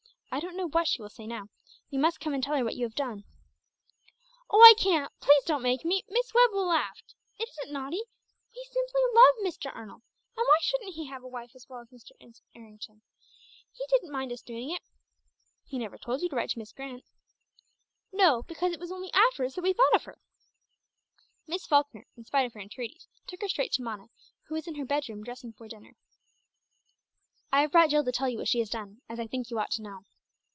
I don't know what she will say now. You must come and tell her what you have done." "Oh, I can't; please don't make me Miss Webb will laugh. It isn't naughty. We simply love Mr. Arnold. And why shouldn't he have a wife as well as Mr. Errington? He didn't mind us doing it." "He never told you to write to Miss Grant." "No, because it was only afterwards that we thought of her." Miss Falkner, in spite of her entreaties, took her straight to Mona, who was in her bedroom dressing for dinner. "I have brought Jill to tell you what she has done, as I think you ought to know."